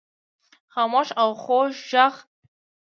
خاموش او خوږ ږغ